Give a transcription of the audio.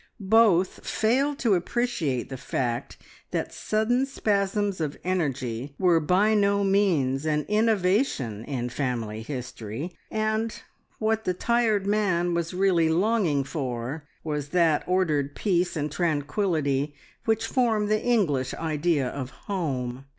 Both failed to appreciate the fact that sudden spasms of energy were by no means an innovation in the family history, and what the tired man was really longing for was that ordered peace and tranquillity which form the English idea of home.